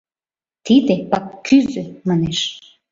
«Тиде паккӱзӧ! — манеш.